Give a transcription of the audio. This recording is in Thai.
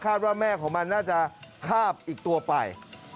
ว่าแม่ของมันน่าจะคาบอีกตัวไป